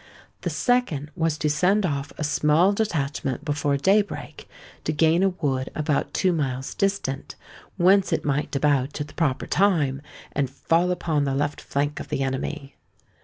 The second was to send off a small detachment before day break, to gain a wood about two miles distant, whence it might debouch at the proper time, and fall upon the left flank of the enemy.